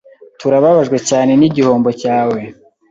Turababajwe cyane nigihombo cyawe.